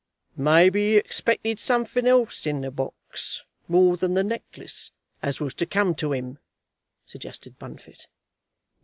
"Maybe he expected something else in the box, more than the necklace, as was to come to him," suggested Bunfit.